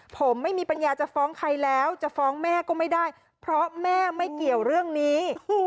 ผมไม่มีปัญญาจะฟ้องใครแล้วจะฟ้องแม่ก็ไม่ได้เพราะแม่ไม่เกี่ยวเรื่องนี้